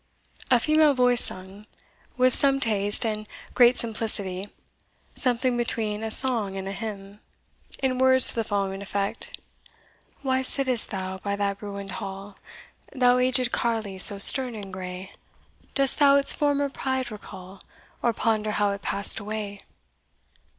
A female voice sung, with some taste and great simplicity, something between a song and a hymn, in words to the following effect: "Why sitt'st thou by that ruin'd hall, Thou aged carle so stern and grey? Dost thou its former pride recall, Or ponder how it passed away?